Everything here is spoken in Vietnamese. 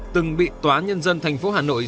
từng bị tòa nhân dân thành phố hà nội